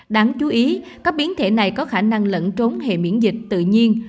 đáng chú ý các biến thể này có khả năng lẫn trốn hệ miễn dịch tự nhiên